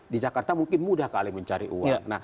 di jakarta mungkin mudah kali mencari uang